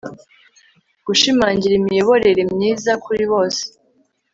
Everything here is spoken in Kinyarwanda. gushimangira lmiyoborere myiza kuri bose